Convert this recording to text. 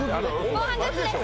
防犯グッズです。